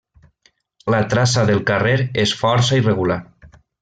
La traça del carrer és força irregular.